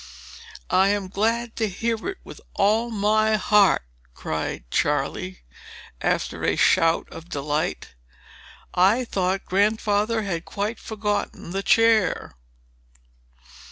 "I am glad to hear it, with all my heart!" cried Charley, after a shout of delight. "I thought Grandfather had quite forgotten the chair."